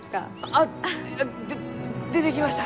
あで出てきました！